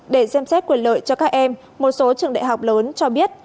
để xem xét quyền lợi cho các em một số trường đại học lớn cho biết